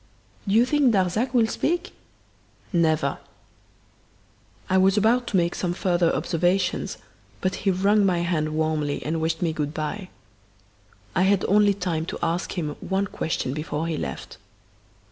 '" "Do you think Darzac will speak?" "Never." I was about to make some further observations, but he wrung my hand warmly and wished me good bye. I had only time to ask him one question before he left.